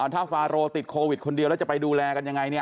ถ้าฟาโรติดโควิดคนเดียวแล้วจะไปดูแลกันยังไงเนี่ย